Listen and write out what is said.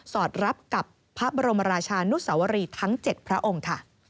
อดรับกับพระบรมราชานุสวรีทั้ง๗พระองค์ค่ะ